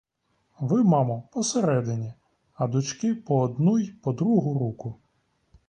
Ви, мамо, посередині, а дочки по одну й по другу руку.